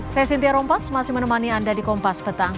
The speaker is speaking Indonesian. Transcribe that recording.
saya sintia rompas masih menemani anda di kompas petang